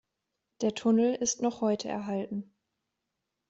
Der Tunnel ist noch heute erhalten.